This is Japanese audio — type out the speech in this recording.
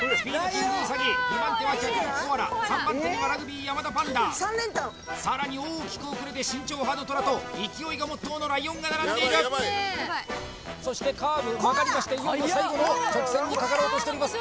キング・ウサギ２番手は脚力・コアラ３番手にはラグビー・山田パンダさらに大きく遅れて慎重派のトラと勢いがモットーのライオンが並んでいるそしてカーブ曲がりましていよいよ最後の直線にかかろうとしてます